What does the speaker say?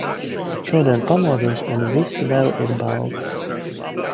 Šodien pamodos un viss vēl ir balts.